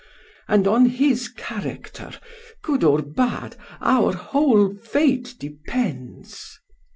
And on his character, good or bad, our whole fate depends.